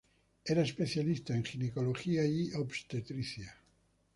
Era especialista en ginecología y obstetricia.